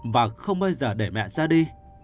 và không bao giờ để mẹ ra đi